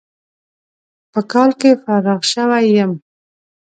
په کال کې فارغ شوى يم.